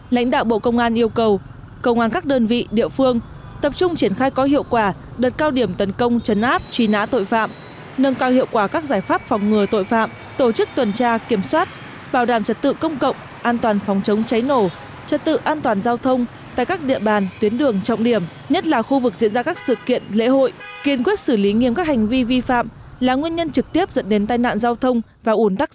lãnh đạo bộ công an yêu cầu công an các đơn vị địa phương tập trung triển khai có hiệu quả đợt cao điểm tấn công chấn áp truy nã tội phạm nâng cao hiệu quả các giải pháp phòng ngừa tội phạm tổ chức tuần tra kiểm soát bảo đảm trật tự công cộng an toàn phòng chống cháy nổ trật tự an toàn giao thông tại các địa bàn tuyến đường trọng điểm nhất là khu vực diễn ra các sự kiện lễ hội kiên quyết xử lý nghiêm các hành vi vi phạm là nguyên nhân trực tiếp dẫn đến tai nạn giao thông và ủn tắc g